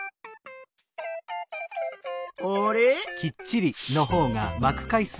あれ？